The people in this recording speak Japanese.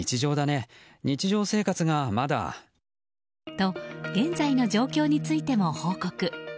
と、現在の状況についても報告。